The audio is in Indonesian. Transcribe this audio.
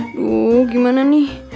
aduh gimana nih